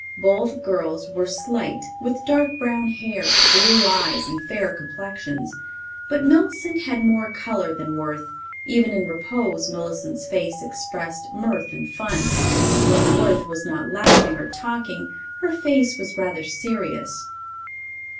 Both girls were slight, with dark brown hair, blue eyes and fair complexions. But Millicent had more colour than Worth. Even in repose, Millicent's face expressed mirth and fun; when Worth was not laughing or talking, her face was rather serious.